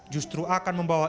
justru akan membawa